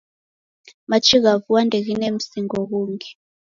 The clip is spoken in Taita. Machi gha vua ndeghine msingo ghungi